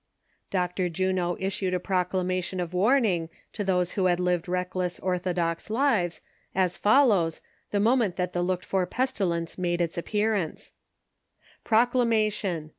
Dr. Juno issued a proclamation of warning to those who had lived reckless orthodox lives, as follows, the moment that the looked for pestilence made its appearance :" Proclamation.